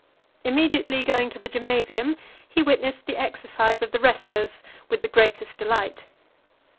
Immediately going to the gymnasium, he witnessed the exercise of the wrestlers with the greatest delight.